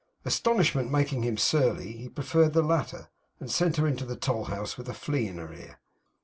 Astonishment making him surly, he preferred the latter, and sent her into the toll house with a flea in her ear.